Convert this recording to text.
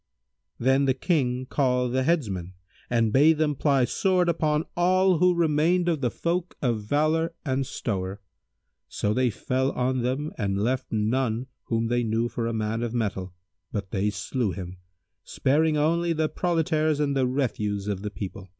[FN#165] Then the King called the headsmen and bade them ply sword upon all who remained of the folk of valour and stowre: so they fell on them and left none whom they knew for a man of mettle but they slew him, sparing only the proletaires and the refuse of the people.